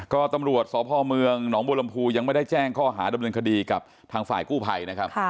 ก็ตำรวจสพเมืองหนองบัวลำพูยังไม่ได้แจ้งข้อหาดำเนินคดีกับทางฝ่ายกู้ภัยนะครับ